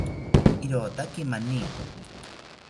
Irotaki mani